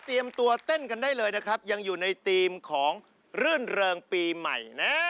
ตัวเต้นกันได้เลยนะครับยังอยู่ในธีมของรื่นเริงปีใหม่นะ